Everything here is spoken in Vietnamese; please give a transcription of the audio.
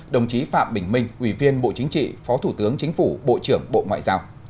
đồng chí phạm bình minh ủy viên bộ chính trị phó thủ tướng chính phủ bộ trưởng bộ ngoại giao